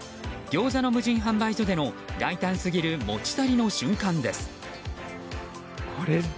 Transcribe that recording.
ギョーザの無人販売所での大胆すぎる持ち去りの瞬間です。